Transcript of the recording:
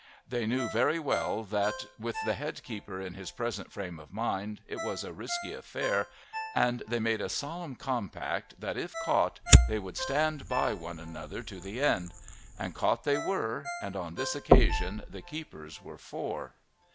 They knew very well that with the head keeper in his present frame of mind it was a risky affair, and they made a solemn compact that if caught they would stand by one another to the end. And caught they were, and on this occasion the keepers were four.